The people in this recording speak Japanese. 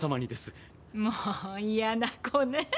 もう嫌な子ねぇ。